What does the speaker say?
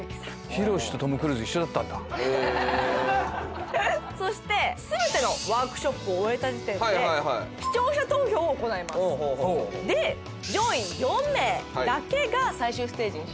ひろしとトム・クルーズ一緒だったんだへえそして全てのワークショップを終えた時点ではいはいはい視聴者投票を行いますで上位４名だけが最終ステージに進出することができます